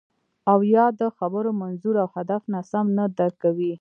او یا د خبرو منظور او هدف ناسم نه درک کوئ